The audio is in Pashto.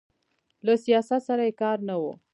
له سیاست سره یې کار نه و.